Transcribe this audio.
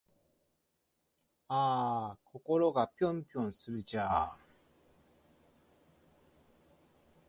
あぁ〜心がぴょんぴょんするんじゃぁ〜